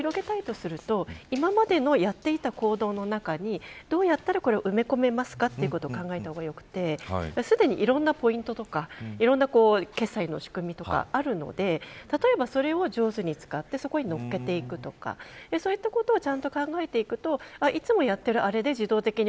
もし広げたいとすると今までの、やっていた行動の中にどうやったらこれを埋め込めますかということを考えた方が良くてすでにいろんなポイントとかいろんな決済の仕組みとかあるので例えばそれを上手に使ってそれにのっけていくとかそういったことを考えていくと